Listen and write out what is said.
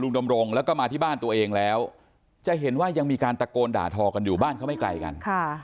ดำรงแล้วก็มาที่บ้านตัวเองแล้วจะเห็นว่ายังมีการตะโกนด่าทอกันอยู่บ้านเขาไม่ไกลกัน